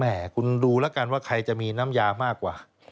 คุณดูแล้วกันว่าใครจะมีน้ำยามากกว่า